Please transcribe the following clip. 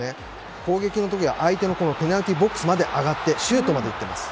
攻撃の時は相手のペナルティーボックスまで上がってシュートまでいっています。